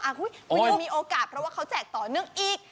คุณยังมีโอกาสเพราะว่าเขาแจกต่อเนื่องอีก